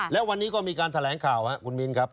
แล้ววันนี้ก็มีการแถลงข่าวคุณมีนครับ